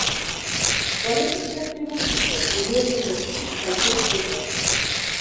College শিক্ষার্থী এবং শিক্ষক উভয়ের জন্য একটি সাইকেল শেড আছে।